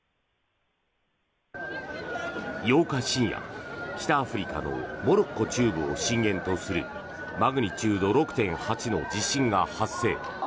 ８日深夜、北アフリカのモロッコ中部を震源とするマグニチュード６．８の地震が発生。